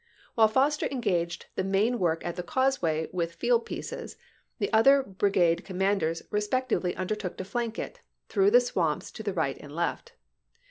While Foster engaged the main work at the causeway with field pieces, the other brigade commanders respec tively undertook to flank it, through the swamps to the right and the left.